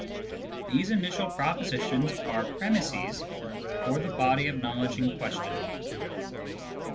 These initial pro positions are premisses for the body of knowledge in question.